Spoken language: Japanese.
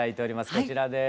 こちらです。